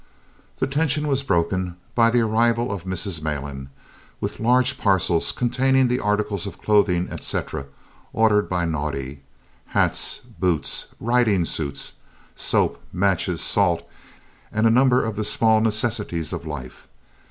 The tension was broken by the arrival of Mrs. Malan, with large parcels containing the articles of clothing, etc., ordered by Naudé hats, boots, riding suits, soap, matches, salt, and a number of the small necessities of life.